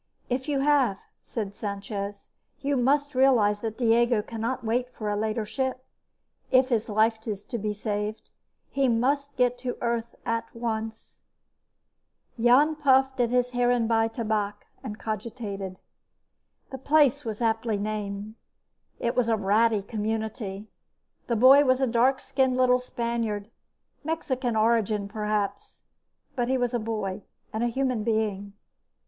"If you have," said Sanchez, "you must realize that Diego cannot wait for a later ship, if his life is to be saved. He must get to Earth at once." Jan puffed at the Heerenbaai Tabak and cogitated. The place was aptly named. It was a ratty community. The boy was a dark skinned little Spaniard of Mexican origin, perhaps. But he was a boy, and a human being.